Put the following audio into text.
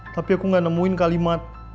tapi aku gak nemuin kalian di rumah pak